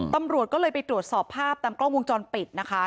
ตำรวจก็เลยไปตรวจสอบภาพตามกล้องวงจรปิดนะคะ